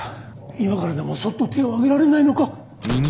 今からでもそっと手を挙げられないのか？